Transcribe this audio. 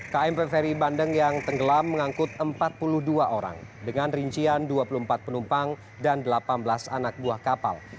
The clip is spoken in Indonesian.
kmp ferry bandeng yang tenggelam mengangkut empat puluh dua orang dengan rincian dua puluh empat penumpang dan delapan belas anak buah kapal